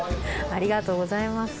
ありがとうございます。